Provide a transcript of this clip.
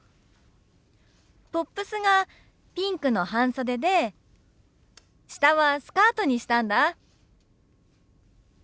トップスがピンクの半袖で下はスカートにしたんだ。